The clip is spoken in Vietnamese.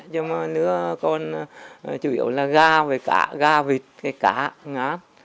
chứ mà nữa còn chủ yếu là gà với cá gà vịt cái cá ngát